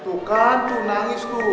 tuh kan tuh nangis tuh